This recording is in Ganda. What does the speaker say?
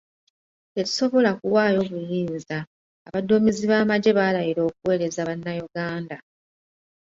Tetusobola kuwaayo buyinza, abaduumizi b'amagye baalayira okuweereza bannayuganda.